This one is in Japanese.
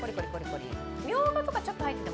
ミョウガとかちょっと入ってても。